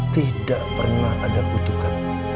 tidak pernah ada kutukan